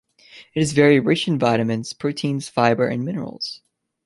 It is very rich in vitamins, proteins, fibre, and minerals.